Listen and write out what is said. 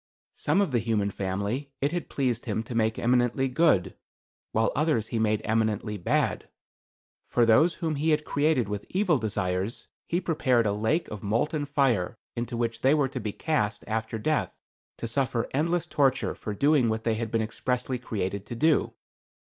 Some of the human family it had pleased him to make eminently good, while others he made eminently bad. For those whom he had created with evil desires, he prepared a lake of molten fire into which they were to be cast after death to suffer endless torture for doing what they had been expressly created to do.